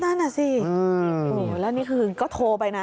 นั่นอ่ะสิแล้วนี่คือก็โทรไปนะ